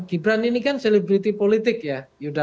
gibran ini kan selebriti politik ya